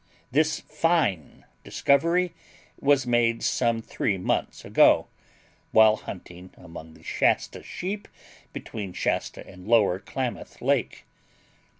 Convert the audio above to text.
This FINE discovery was made some three months ago, while hunting among the Shasta sheep between Shasta and Lower Klamath Lake.